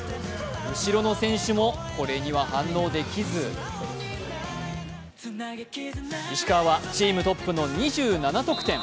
後ろの選手も、これには反応できず石川はチームトップの２７得点。